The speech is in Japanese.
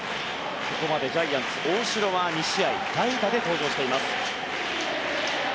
ここまでジャイアンツ大城は２試合、代打で登場しています。